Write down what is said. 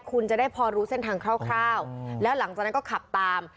คุณจะได้พอรู้เส้นทางคร่าวแล้วหลังจากนั้นก็ขับตาม